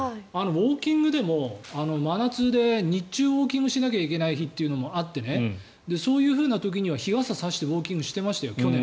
ウォーキングでも真夏で日中にウォーキングしないといけない日があってそういう時には日傘を差してウォーキングしてましたよ去年。